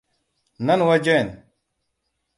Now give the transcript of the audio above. Nan wajen!